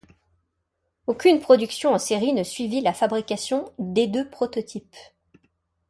Aucune production en série ne suivit la fabrication des deux prototypes.